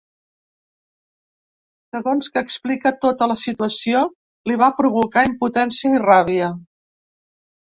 Segons que explica, tota la situació li va provocar impotència i ràbia.